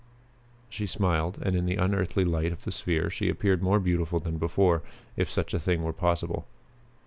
She smiled, and in the unearthly light of the sphere she appeared more beautiful than before, if such a thing were possible.